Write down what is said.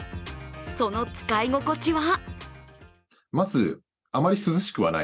その使い心地は？